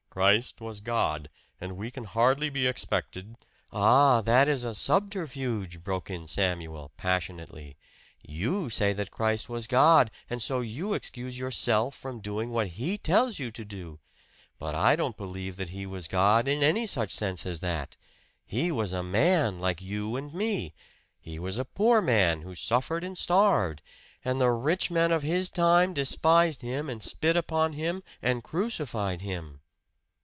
"Christ was God. And we can hardly be expected " "Ah, that is a subterfuge!" broke in Samuel, passionately. "You say that Christ was God, and so you excuse yourself from doing what He tells you to! But I don't believe that He was God in any such sense as that. He was a man, like you and me! He was a poor man, who suffered and starved! And the rich men of His time despised Him and spit upon Him and crucified Him!"